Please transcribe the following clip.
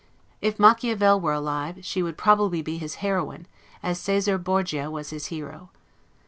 If Machiavel were alive, she would probably be his heroine, as Caesar Borgia was his hero.